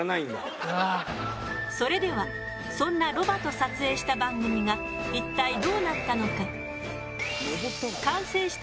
それではそんなロバと撮影した番組が一体どうなったのか？